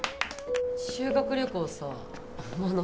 ・修学旅行さ真野